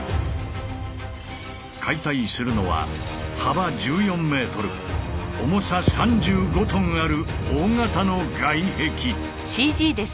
解体するのは幅１４ｍ重さ３５ｔある大型の外壁。